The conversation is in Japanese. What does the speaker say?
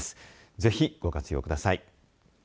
ぜひ、ご活用ください。